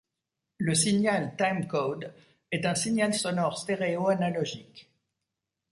Le signal timecode est un signal sonore stéréo analogique.